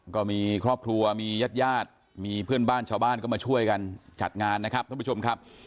ก็มีครอบครัวมีญาติญาติมีเพื่อนบ้านชาวบ้านก็มาช่วยกันจัดงานนะครับท่านผู้ชมครับ